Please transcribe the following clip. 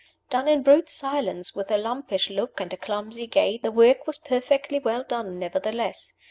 Done in brute silence, with a lumpish look and a clumsy gait, the work was perfectly well done nevertheless.